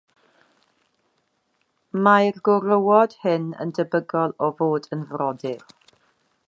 Mae'r gwrywod hyn yn debygol o fod yn frodyr.